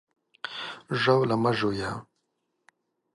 ژاوله مه ژویه!